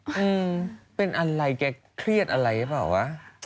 อืมเป็นอะไรแกเครียดอะไรหรือเปล่าวะ